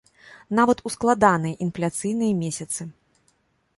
Нават у складаныя інфляцыйныя месяцы.